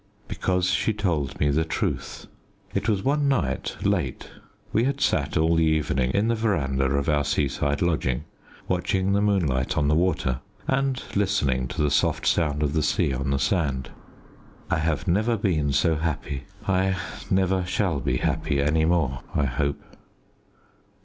Because she told me the truth. It was one night late we had sat all the evening in the verandah of our seaside lodging watching the moonlight on the water and listening to the soft sound of the sea on the sand. I have never been so happy; I never shall be happy any more, I hope.